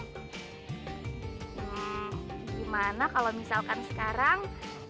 gimana kalau misalkan sekarang